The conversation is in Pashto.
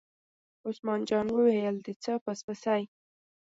عثمان جان وویل: د څه پس پسي.